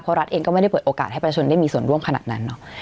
เพราะรัฐเองก็ไม่ได้เปิดโอกาสให้ประชาชนได้มีส่วนร่วมขนาดนั้นเนอะ